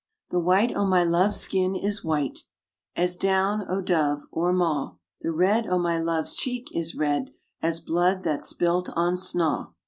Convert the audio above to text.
'The white o' my love's skin is white As down o' dove or maw; The red o' my love's cheek is red As blood that's spilt on snaw.